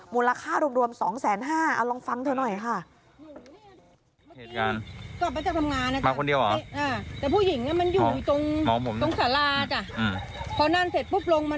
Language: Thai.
มูลค่ารวมสองแสนห้าเอาลองฟังเถอะหน่อยค่ะ